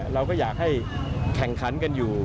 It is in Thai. เราก็อยากให้แข่งขันกันอยู่